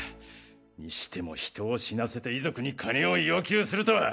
にしても人を死なせて遺族に金を要求するとは！